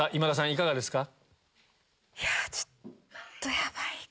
いかがですか？